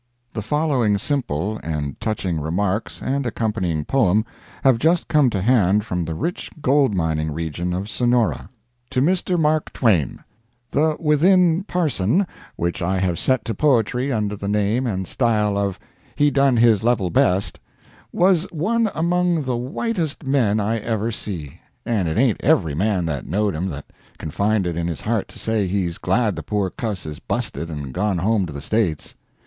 The following simple and touching remarks and accompanying poem have just come to hand from the rich gold mining region of Sonora: To Mr. Mark Twain: The within parson, which I have set to poetry under the name and style of "He Done His Level Best," was one among the whitest men I ever see, and it ain't every man that knowed him that can find it in his heart to say he's glad the poor cuss is busted and gone home to the States.